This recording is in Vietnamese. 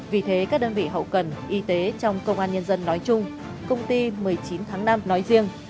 vì thế các đơn vị hậu cần y tế trong công an nhân dân nói chung công ty một mươi chín tháng năm nói riêng